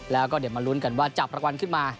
แล้วก็เดี๋ยวมาลุ้นกันว่าจับรางวัลขึ้นมา